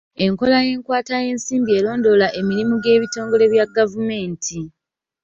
Enkola y'enkwata y'ensimbi erondoola emirimu gy'ebitongole bya gavumenti.